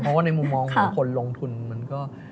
เพราะว่าในมุมมองของคนลงทุนมันก็